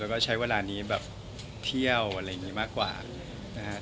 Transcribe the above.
แล้วก็ใช้เวลานี้แบบเที่ยวอะไรอย่างนี้มากกว่านะครับ